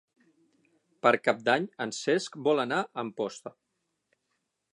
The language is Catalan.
Per Cap d'Any en Cesc vol anar a Amposta.